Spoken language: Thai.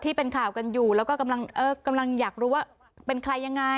ที่เป็นข่าวกันอยู่แล้วก็กำลังอยากรู้ว่าเป็นใครยังไง